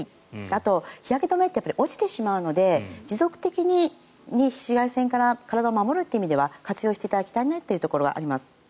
あと、日焼け止めって落ちてしまうので、持続的に紫外線から体を守るという意味では活用していただきたいなというところはあります。